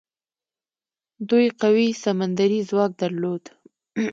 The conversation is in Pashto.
دوی قوي سمندري ځواک درلود.